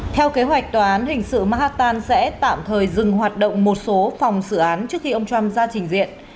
theo kế hoạch tòa án hình sự mahatan sẽ tạm thời dừng hoạt động một số phòng xử án trước khi ông trump ra trình diện